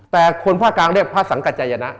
แต่คนพระกลางเลือกพระสังกัจจัยนะ